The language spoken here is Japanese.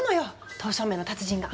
刀削麺の達人が。